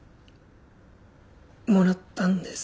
もらったんです。